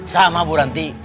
sama bu ranti